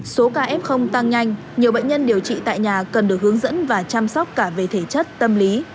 số ca f tăng nhanh nhiều bệnh nhân điều trị tại nhà cần được hướng dẫn và chăm sóc cả về thể chất tâm lý